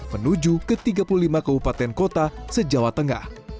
menuju ke tiga puluh lima kabupaten kota se jawa tengah